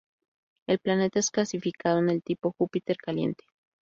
El planeta es clasificado en el tipo Júpiter caliente.